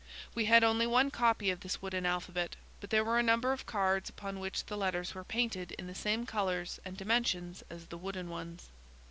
We had only one copy of this wooden alphabet, but there were a number of cards upon which the letters were painted in the same colours and dimensions as the wooden ones.